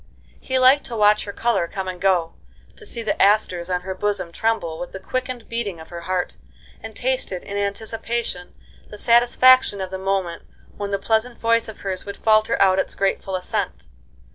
He liked to watch her color come and go, to see the asters on her bosom tremble with the quickened beating of her heart, and tasted, in anticipation, the satisfaction of the moment when that pleasant voice of hers would falter out its grateful assent.